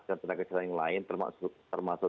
dan tenaga tenaga yang lain termasuk